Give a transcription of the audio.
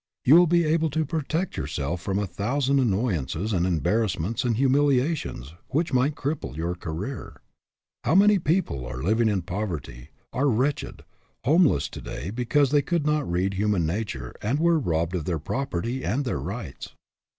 You will be able to protect yourself from a thousand annoy ances and embarrassments and humiliations which might cripple your career. How many people are living in poverty, are wretched, homeless to day because they could not read human nature and were robbed of their property and their rights